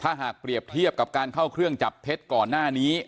ถ้าหากเปรียบเทียบกับการเข้าเครื่องจับเท็จก่อนหน้านี้